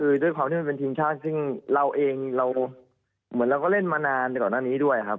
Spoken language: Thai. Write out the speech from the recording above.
คือด้วยความที่มันเป็นทีมชาติซึ่งเราเองเราเหมือนเราก็เล่นมานานในก่อนหน้านี้ด้วยครับ